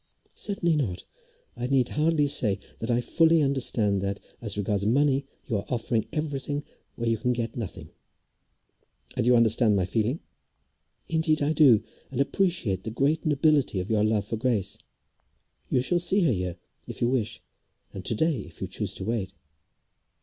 "Certainly not. I need hardly say that I fully understand that, as regards money, you are offering everything where you can get nothing." "And you understand my feeling?" "Indeed, I do, and appreciate the great nobility of your love for Grace. You shall see her here, if you wish it, and to day, if you choose to wait."